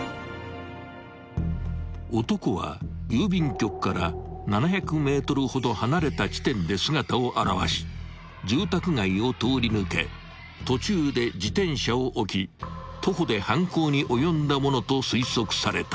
［男は郵便局から７００ｍほど離れた地点で姿を現し住宅街を通り抜け途中で自転車を置き徒歩で犯行に及んだものと推測された］